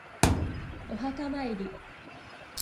お墓参り